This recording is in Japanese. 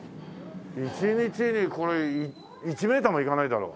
１日にこれ１メーターもいかないだろう。